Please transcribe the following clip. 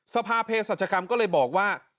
สภาเพศสัจกรรมก็เลยบอกว่า